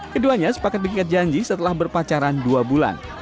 keduanya sepakat berikat janji setelah berpacaran dua bulan